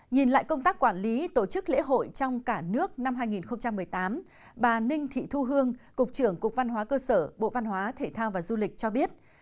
nhìn lại công tác quản lý tổ chức lễ hội trong cả nước năm hai nghìn một mươi tám bà ninh thị thu hương cục trưởng cục văn hóa cơ sở bộ văn hóa thể thao và du lịch cho biết